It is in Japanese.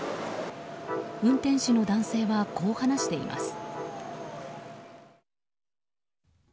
運転手の男性はこう話しています。